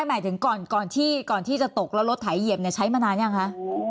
หมายถึงก่อนที่จะตกแล้วรถไถเหยียบใช้มานานยังคะ